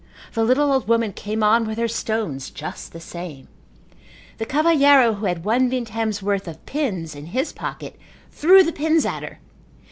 The little old woman came on with her stones just the same. The cavalheiro who had one vintem's worth of pins in his pocket threw the pins at her.